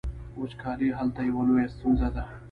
وچکالي هلته یوه لویه ستونزه ده.